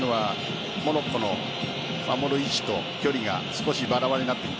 モロッコの守る位置と距離が少しバラバラになってきた。